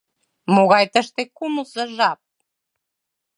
Могай тыште кумылзо жап.